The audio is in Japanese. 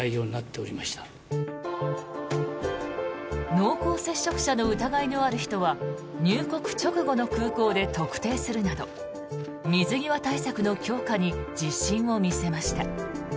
濃厚接触者の疑いのある人は入国直後の空港で特定するなど水際対策の強化に自信を見せました。